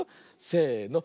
せの。